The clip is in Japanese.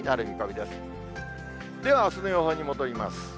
ではあすの予報に戻ります。